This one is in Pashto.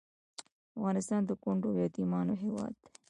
افغانستان د کونډو او یتیمانو هیواد دی